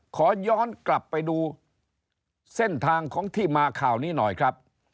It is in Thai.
ขอย้อนกลับไปดูเส้นทางของที่มาข่าวนี้หน่อยครับ